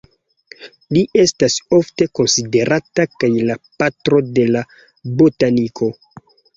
Li estas ofte konsiderata kaj la "patro de la botaniko".